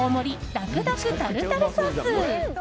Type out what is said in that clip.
だくだくタルタルソース。